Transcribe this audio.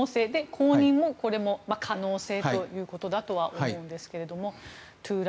後任も、これも可能性ということだとは思うんですがトゥーラ